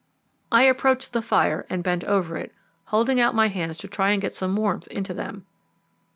I approached the fire and bent over it, holding out my hands to try and get some warmth into them.